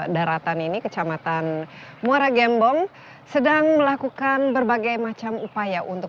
daratan ini kecamatan muara gembong sedang melakukan berbagai macam upaya untuk